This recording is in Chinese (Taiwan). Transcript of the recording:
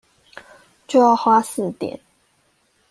就要花四點